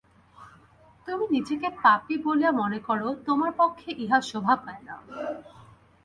তুমি নিজেকে পাপী বলিয়া মনে কর, তোমার পক্ষে ইহা শোভা পায় না।